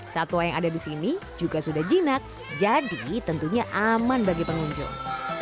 satwa yang ada di sini juga sudah jinak jadi tentunya aman bagi pengunjung